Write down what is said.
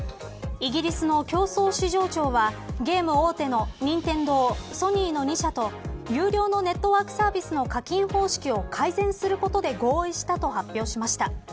イギリスの競争市場庁はゲーム大手の任天堂、ソニーの２社と有料のネットワークサービスの課金方式を改善することで合意したと発表しました。